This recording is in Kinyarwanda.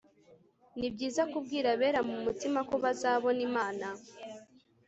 ni byiza kubwira abera mu mutima ko bazabona imana